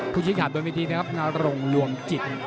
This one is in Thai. ผู้ชิดขาดโดยวิธีนะครับลงลวมจิต